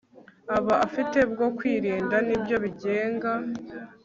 aba afite bwo kwirinda ni byo bigenga